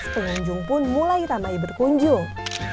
pengunjung pun mulai ramai berkunjung